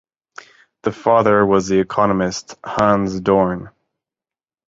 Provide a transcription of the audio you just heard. The father was the economist Hanns Dorn.